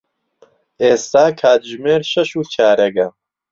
ئێستا کاتژمێر شەش و چارەگە.